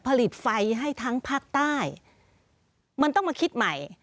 ผลิตไฟให้ทั้งภาคใต้มันต้องมาคิดใหม่